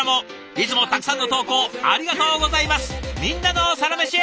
いつもたくさんの投稿ありがとうございます。